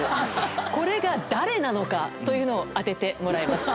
これが誰なのかというのを当ててもらいます。